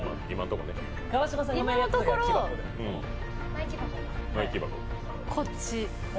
今のところ、こっち。